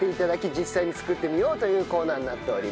実際に作ってみようというコーナーになっております。